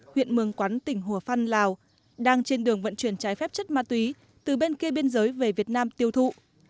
huyện mường quán tỉnh hồ phan lào đang trên đường vận chuyển trái phép chất ma túy từ bên kia biên giới về việt nam tiêu thụ